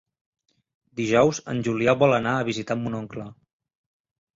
Dijous en Julià vol anar a visitar mon oncle.